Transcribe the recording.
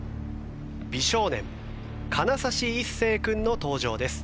美少年金指一世君の登場です。